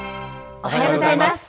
おはようございます。